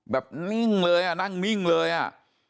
นิ่งเลยอ่ะนั่งนิ่งเลยอ่ะ